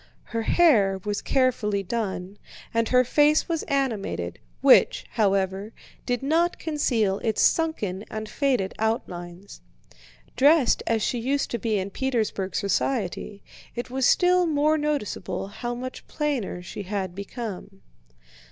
Her hair was carefully done and her face was animated, which, however, did not conceal its sunken and faded outlines. Dressed as she used to be in Petersburg society, it was still more noticeable how much plainer she had become.